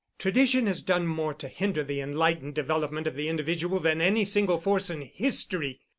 Tradition has done more to hinder the enlightened development of the individual than any single force in history.